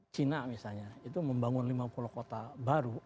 cina misalnya itu membangun lima puluh kota baru